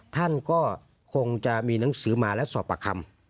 ท่านก็คงจะมีหนังสือมาและสอบปากคำ